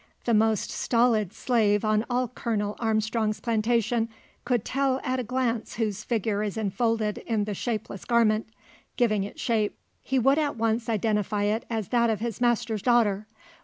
The most stolid slave on all Colonel Armstrong's plantation, could tell at a glance whose figure is enfolded in the shapeless garment, giving it shape. He would at once identify it as that of his master's daughter.